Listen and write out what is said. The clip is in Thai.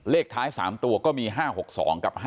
เลขท้าย๓ตัวก็มี๕๖๒กับ๕๗